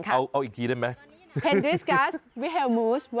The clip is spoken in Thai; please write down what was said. เอาอีกทีได้ไหม